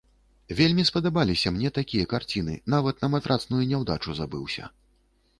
Вельмі спадабаліся мне такія карціны, нават на матрацную няўдачу забыўся.